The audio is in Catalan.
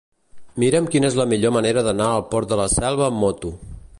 Mira'm quina és la millor manera d'anar al Port de la Selva amb moto.